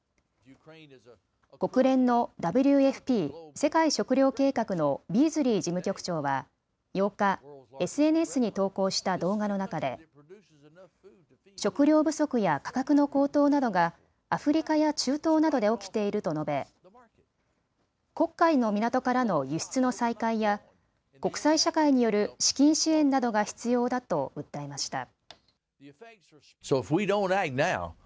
国連のＷＦＰ・世界食糧計画のビーズリー事務局長は８日、ＳＮＳに投稿した動画の中で食料不足や価格の高騰などがアフリカや中東などで起きていると述べ黒海の港からの輸出の再開や国際社会による資金支援などが必要だと訴えました。